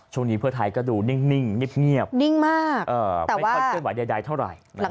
ช่วงนี้เพื่อไทยก็ดูนิ่งเงียบนิ่งมากไม่ค่อยเคลื่อนไหวใดเท่าไหร่